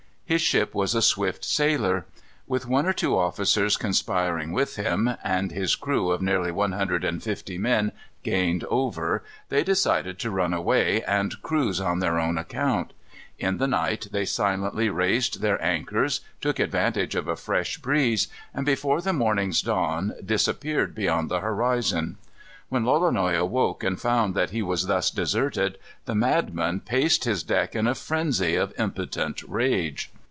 His ship was a swift sailer. With one or two officers conspiring with him, and his crew of nearly one hundred and fifty men gained over, they decided to run away and cruise on their own account. In the night they silently raised their anchors, took advantage of a fresh breeze, and, before the morning's dawn, disappeared beyond the horizon. When Lolonois awoke and found that he was thus deserted, the madman paced his deck in a frenzy of impotent rage.